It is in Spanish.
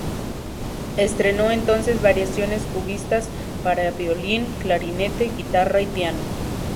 Estrenó entonces "Variaciones Cubistas" para violín, clarinete, guitarra y piano.